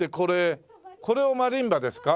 これマリンバですか？